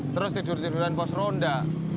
terus tidur tiduran pos ronda